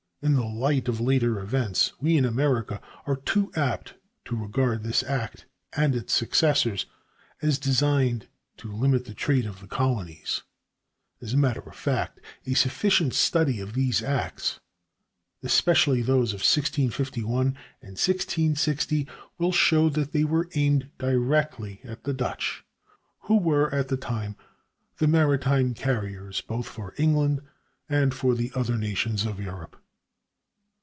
In the light of later events, we in America are too apt to regard this act and its successors as designed to limit the trade of the colonies. As a matter of fact, a sufficient study of these acts, especially those of 1651 and 1660, will show that they were aimed directly at the Dutch who were at the time the maritime carriers both for England and for the other nations of Europe.